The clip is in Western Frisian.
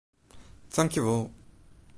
Tankjewol.